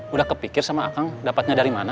udah kepikir sama akang dapatnya dari mana